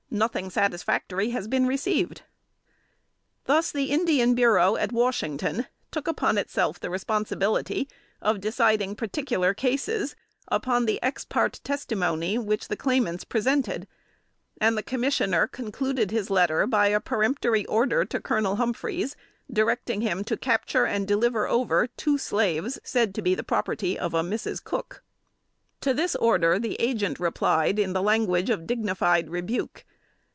Nothing satisfactory has been received." [Sidenote: 1826.] Thus the Indian Bureau, at Washington, took upon itself the responsibility of deciding particular cases, upon the ex parte testimony which the claimants presented; and the commissioner concluded his letter by a peremptory order to Colonel Humphreys, directing him to capture and deliver over two slaves, said to be the property of a Mrs. Cook. To this order the Agent replied in the language of dignified rebuke.